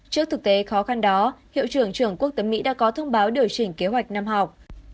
trước thực tế khó khăn đó hiệu trưởng trường quốc tế mỹ đã có thông báo điều chỉnh kế hoạch năm học